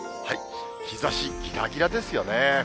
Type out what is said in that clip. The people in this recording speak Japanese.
日ざしぎらぎらですよね。